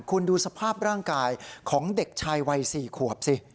คุณดูสภาพร่างกายของเด็กชายวัย๔ขวบสิ